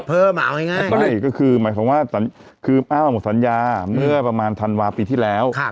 เพิ่มเอาไงก็คือหมายความว่าคืออ้ามออกสัญญาเมื่อประมาณธันวาษณ์ปีที่แล้ว